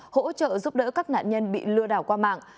hỗ trợ giúp đỡ các nạn nhân bị lừa đảo qua mạng